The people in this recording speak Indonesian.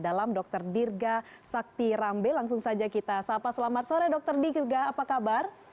dalam dokter dirga sakti rambe langsung saja kita sapa selamat sore dokter di juga apa kabar